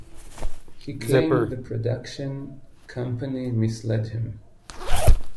He claimed the production company misled him.